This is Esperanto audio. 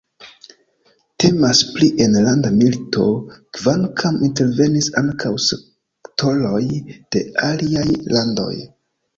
Temas pri enlanda milito, kvankam intervenis ankaŭ sektoroj de aliaj landoj.